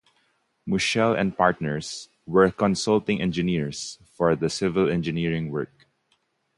Mouchel and Partners were consulting engineers for the civil engineering work.